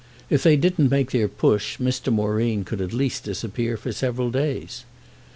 If they didn't make their push Mr. Moreen could at least disappear for several days.